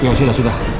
ya sudah sudah